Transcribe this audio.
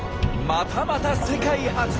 またまた世界初！